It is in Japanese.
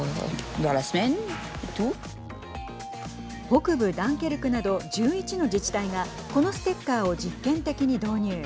北部ダンケルクなど１１の自治体がこのステッカーを実験的に導入。